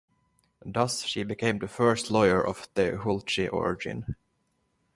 Thus she became the first lawyer of Tehuelche origin.